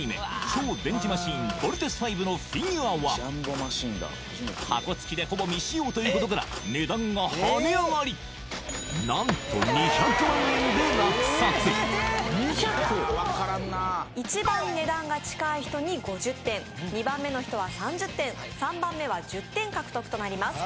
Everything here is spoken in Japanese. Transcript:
「超電磁マシーンボルテスⅤ」のフィギュアは箱付きでほぼ未使用ということから値段が跳ね上がり何と２００万円で落札一番値段が近い人に５０点２番目の人は３０点３番目は１０点獲得となります